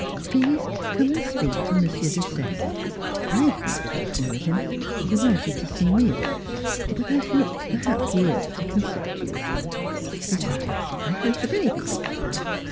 " Please come and speak to Mr. Desaye. I have been talking with him he wanted to see me; but I thought perhaps we ought to consult you. ... Besides, I heard the baby."